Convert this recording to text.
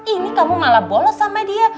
ini kamu malah bolos sama dia